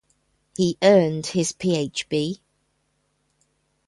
He earned his Ph.B.